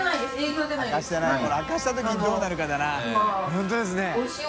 これ明かした時にどうなるかだな。